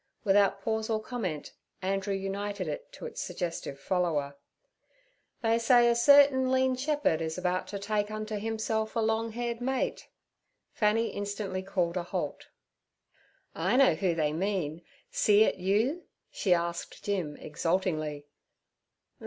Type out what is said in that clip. "' Without pause or comment, Andrew united it to its suggestive follower: '"They say a certain lean shepherd is about to take unto himself a long haired mate."' Fanny instantly called a halt. 'I know who they mean; see it you?' she asked Jim exultingly.